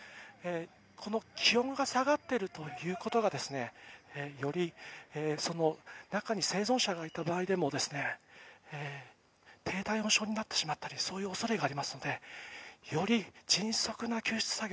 この気温が下がっているということが中に生存者がいた場合でも低体温症になってしまったりそういう恐れがありますのでより迅速な救出作業